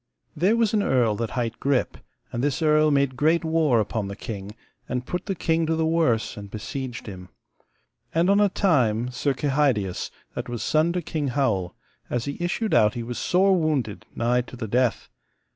There was an earl that hight Grip, and this earl made great war upon the king, and put the king to the worse, and besieged him. And on a time Sir Kehydius, that was son to King Howel, as he issued out he was sore wounded, nigh to the death.